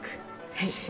はい。